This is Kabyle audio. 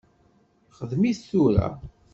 Xdem-it tura.